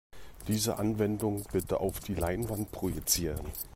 Diese Anwendung bitte auf die Leinwand projizieren.